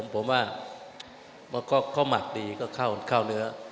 ผมว่าข้าวหมักดีก็เข้าเนื้อ